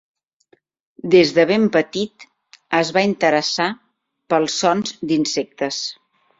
Des de ben petit es va interessar pels sons d'insectes.